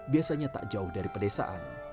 biasanya tak jauh dari pedesaan